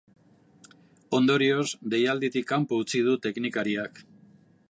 Ondorioz, deialditik kanpo utzi du teknikariak.